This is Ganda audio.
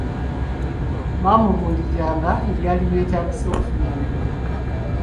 Baamubuulira ebyali byetagisa okufuna omulimu.